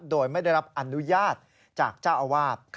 โดยไม่ได้รับอนุญาตจากเจ้าอาวาส